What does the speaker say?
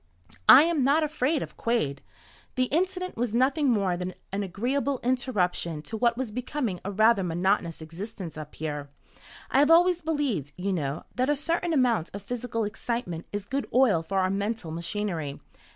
"I am, not afraid of Quade. The incident was nothing more than an agreeable interruption to what was becoming a rather monotonous existence up here. I have always believed, you know, that a certain amount of physical excitement is good oil for our mental machinery.